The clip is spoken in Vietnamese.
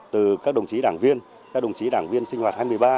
từ các đồng chí đảng viên các đồng chí đảng viên sinh hoạt hai mươi ba